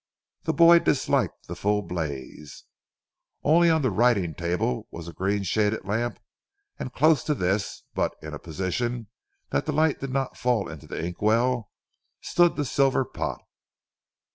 The boy disliked the full blaze. Only on the writing table was a green shaded lamp, and close to this: but in such a position that the light did not fall into the ink well, stood the silver pot.